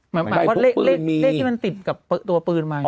หมายว่าเลขที่มันติดกับตัวปืนมา